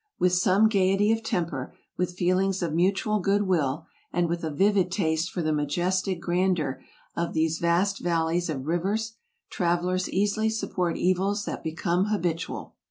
With some gayety of temper, with feelings of mutual good will, and with a vivid taste for the majestic grandeur vol. vi. — 13 180 TRAVELERS AND EXPLORERS of these vast valleys of rivers, travelers easily support evils that become habitual.